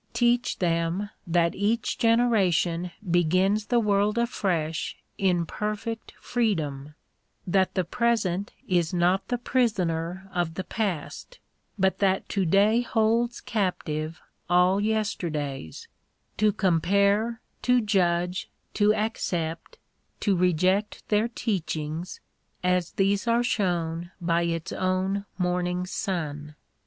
Teach them that each generation begins the world afresh in perfect freedom : that the present is not the prisoner of the past, but that to day holds captive all yesterdays, to compare, to judge, to accept, to reject their teachings, as these are shown by its own morning's sun.